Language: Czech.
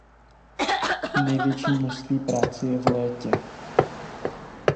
Největší množství práce je v létě.